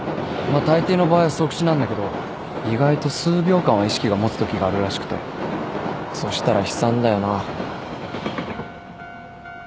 まあたいていの場合即死なんだけど意外と数秒間は意識が持つときがあるらしくてそしたら悲惨だよな。